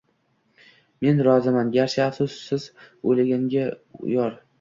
Men roziman, garchi, afsus, siz o’zgaga yor